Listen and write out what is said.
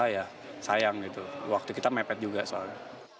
ya sayang gitu waktu kita mepet juga soalnya